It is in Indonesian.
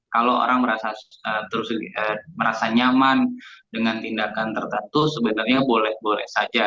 kalau orang merasa terus merasa nyaman dengan tindakan tertentu sebenarnya boleh boleh saja